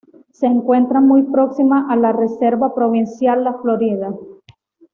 Se encuentra muy próxima a la reserva provincial La Florida.